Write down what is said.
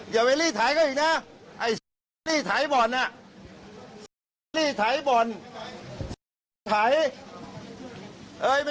อย่าไปลีท้ายก็อีกนะ